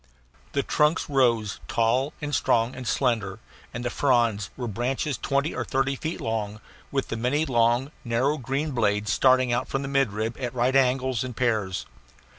The trunks rose tall and strong and slender, and the fronds were branches twenty or thirty feet long, with the many long, narrow green blades starting from the midrib at right angles in pairs.